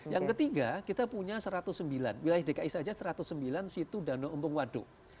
yang ketiga kita punya satu ratus sembilan wilayah dki saja satu ratus sembilan situ danau untung waduk